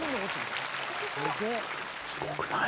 すごくない？